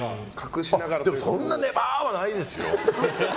でもそんなネバーはないですよ。